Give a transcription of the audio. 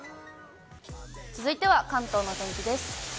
続いては関東のお天気です。